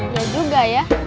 ya juga ya